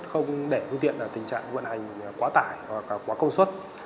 không để phương tiện ở tình trạng vận hành quá tải hoặc là quá công suất